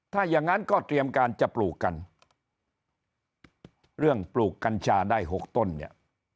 ถ้ายังงั้นก็เตรียมการจะปลูกกัญชาได้๖ต้นเนี่ย